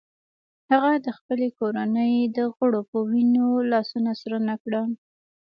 هغه د خپلې کورنۍ د غړو په وینو لاسونه سره نه کړل.